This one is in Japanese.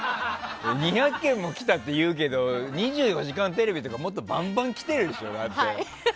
２００件も来たって言うけど「２４時間テレビ」とかもっとバンバン来てるでしょ？